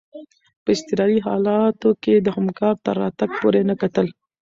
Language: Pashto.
په اضطراري حالاتو کي د همکار تر راتګ پوري نه کتل.